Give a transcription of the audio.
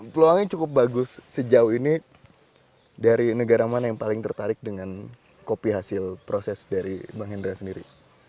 peluangnya cukup bagus sejauh ini dari negara mana yang paling tertarik dengan kopi hasil proses dari bang hendra sendiri